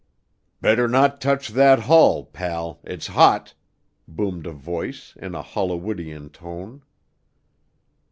"Better not touch that hull, pal, it's hot," boomed a voice in a Hollywoodian tone.